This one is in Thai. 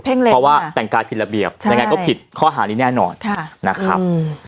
เพราะว่าแต่งกายผิดระเบียบยังไงก็ผิดข้อหานี้แน่นอนนะครับ